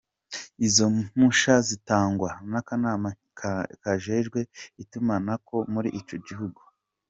Izo mpusha zitangwa n'akanama kajejwe itumatumanako muri ico gihugu.